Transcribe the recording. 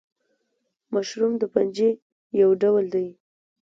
مشروم د فنجي یو ډول دی